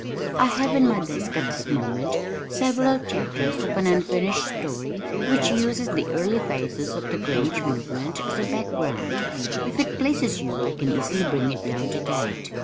I have in my desk at this moment, several chapters of an unfinished story which uses the early phases of the Grange movement as a background. If it pleases you I can easily bring it down to date.